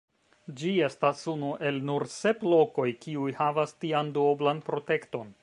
Ĝi estas unu el nur sep lokoj, kiuj havas tian duoblan protekton.